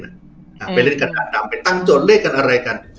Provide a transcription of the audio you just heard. อืมไปเล่นกระดานดำไปตั้งโจรด้วยกันอะไรกัน